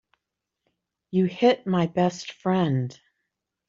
You hit my best friend.